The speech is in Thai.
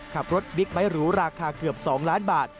ขับรถบิ๊กไบท์หรูราคาเกือบ๒ล้านบาท